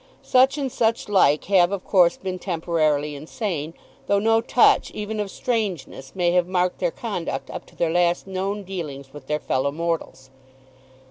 Such, and such like, have of course been temporarily insane, though no touch even of strangeness may have marked their conduct up to their last known dealings with their fellow mortals.